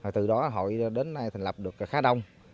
từ đó hội đến nay thành lập được khá đông